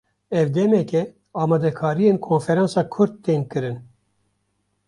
Ev demeke, amadekariyên konferansa Kurd tên kirin